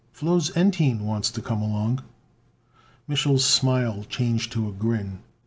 "Flos Entine wants to come along." Mich'l's smile changed to a grin.